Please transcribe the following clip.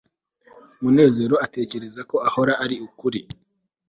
munezero atekereza ko ahora ari ukuri